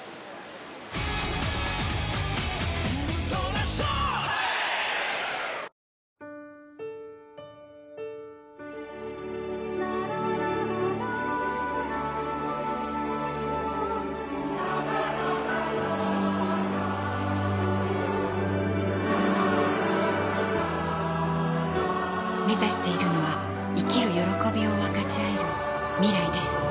ラララめざしているのは生きる歓びを分かちあえる未来です